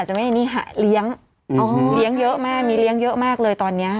จะไม่มีเลี้ยงเยอะแม่มีเลี้ยงเยอะมากเลยตอนนี้